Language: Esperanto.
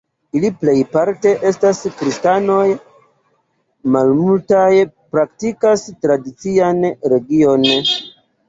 Ili plejparte estas kristanoj, malmultaj praktikas tradician religion.